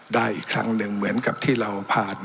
ได้อีกครั้งหนึ่งเหมือนกับที่เราผ่านมา